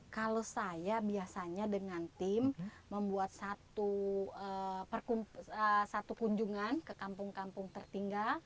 kalau saya biasanya dengan tim membuat satu kunjungan ke kampung kampung tertinggal